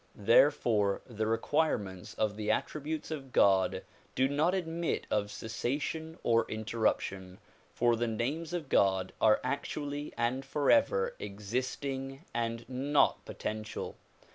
Therefore the requirements of the attributes of God do not admit of cessa tion or interruption, for the names of God are actually and forever existing and not potential.